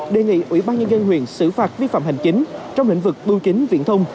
đề nghị ubnd huyện xử phạt vi phạm hành chính trong lĩnh vực bưu kín viễn thông